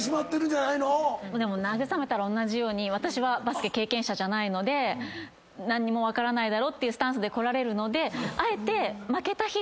なぐさめたらおんなじように私はバスケ経験者じゃないので何にも分からないだろっていうスタンスでこられるのであえて。